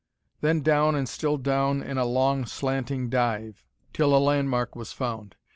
Then down and still down in a long, slanting dive, till a landmark was found.